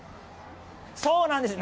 そうなんです。